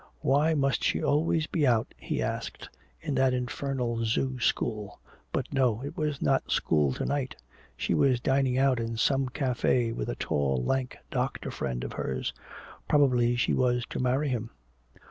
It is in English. Why must she always be out, he asked, in that infernal zoo school? But no, it was not school to night. She was dining out in some café with a tall lank doctor friend of hers. Probably she was to marry him!